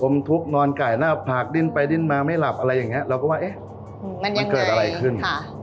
ทุกข์นอนไก่หน้าผากดิ้นไปดิ้นมาไม่หลับอะไรอย่างนี้เราก็ว่าเอ๊ะมันเกิดอะไรขึ้น